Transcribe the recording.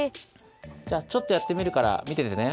じゃあちょっとやってみるからみててね。